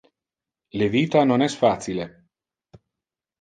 Le vita non es facile.